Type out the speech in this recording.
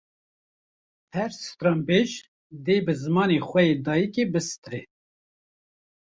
Her stranbêj, dê bi zimanê xwe yê dayikê bistirê